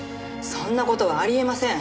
そんな事はありえません。